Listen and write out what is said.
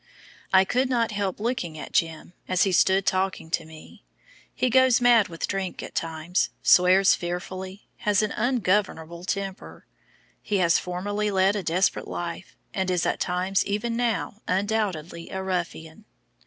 I could not help looking at "Jim" as he stood talking to me. He goes mad with drink at times, swears fearfully, has an ungovernable temper. He has formerly led a desperate life, and is at times even now undoubtedly a ruffian.